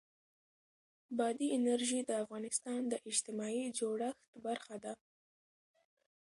بادي انرژي د افغانستان د اجتماعي جوړښت برخه ده.